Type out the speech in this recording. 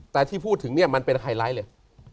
แต่ที่พูดถึงเนี่ยมันเป็นไฮไลท์เลย